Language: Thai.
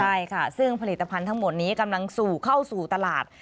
ใช่ค่ะซึ่งผลิตภัณฑ์ทั้งหมดนี้กำลังสู่เข้าสู่ตลาด